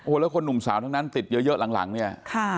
แล้วคนหนุ่มสาวทั้งนั้นติดเยอะหลังเนี่ย